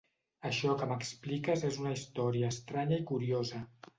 Això que m'expliques és una història estranya i curiosa.